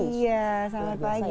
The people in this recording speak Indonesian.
iya selamat pagi